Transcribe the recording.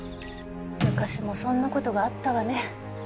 昔もそんなことがあったわね